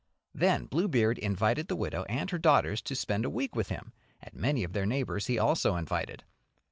Then Bluebeard invited the widow and her daughters to spend a week with him, and many of their neighbours he also invited.